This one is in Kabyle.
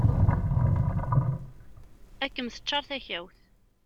Ad kem-teččar takawt.